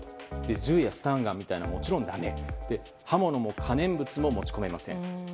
銃やスタンガンももちろんだめで刃物も可燃物も持ち込めません。